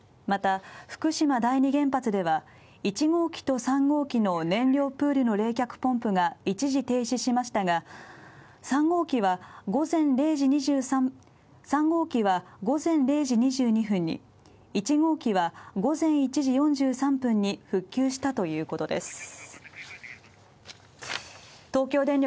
また、福島第２原発では、１号機と３号機の燃料プールの冷却ポンプが一時停止しましたが３号機は午前零時２２分に１号機は午前１時４３分に復旧したということです。